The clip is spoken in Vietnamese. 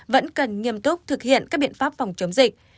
vẫn cần nghiêm túc thực hiện các biện pháp phòng chống dịch